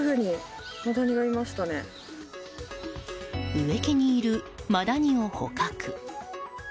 植木にいるマダニを捕獲。